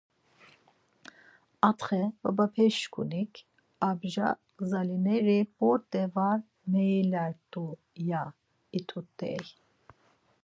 Atxe babapeşǩunik, Abja gzalineri p̌ot̆e var meilert̆u, ya it̆urt̆ey.